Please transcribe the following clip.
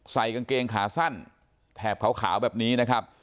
ใส่กางเกงขาสั้นแถบขาวแบบนี้นะครับ